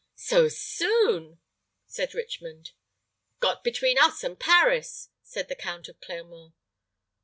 "So soon!" said Richmond. "Got between us and Paris!" said the Count of Clermont.